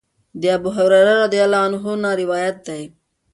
د ابوهريره رضی الله عنه نه روايت دی